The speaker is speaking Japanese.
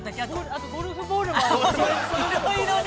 ◆あとゴルフボールもあります。